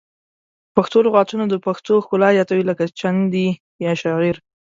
پښتو لغتونه د پښتو ښکلا زیاتوي لکه چندي یا شاعر